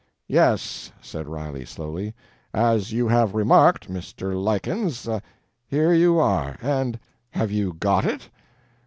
"Yes," said Riley, slowly, "as you have remarked ... Mr. Lykins ... here you are. And have you got it?"